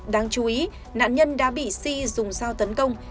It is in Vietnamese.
đáng chú ý nạn nhân đã bị si dùng dao tấn công